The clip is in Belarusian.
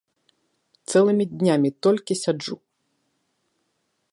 Цэлымі днямі толькі сяджу.